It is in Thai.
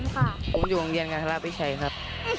ผมอยู่โรงเรียนกันทะเลาะวิชัยครับ